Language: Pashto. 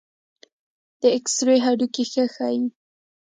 د ایکسرې هډوکي ښه ښيي.